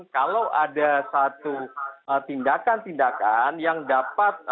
kalau ada satu tindakan tindakan yang dapat